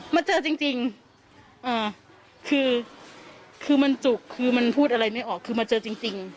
มาเจอจริงคือมันจุกคือมันพูดอะไรไม่ออกคือมาเจอจริง